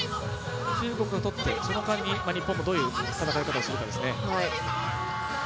その間に日本もどういう戦い方をするかですね。